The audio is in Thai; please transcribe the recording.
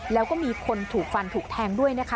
แล้วก็มีคนถูกฟันถูกแทงด้วยนะคะ